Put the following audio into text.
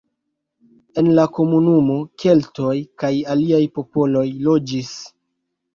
En la komunumo keltoj kaj aliaj popoloj loĝis.